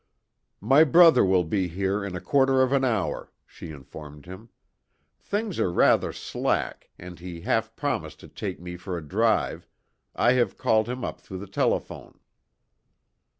"My brother will be here in a quarter of an hour," she informed him. "Things are rather slack, and he had half promised to take me for a drive; I have called him up through the telephone."